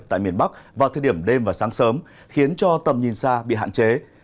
tại miền bắc vào thời điểm đêm và sáng sớm khiến cho tầm nhìn xa bị hạn chế